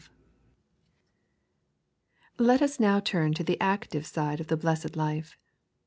LET us iiow turn to the autive side of the Blessed Life.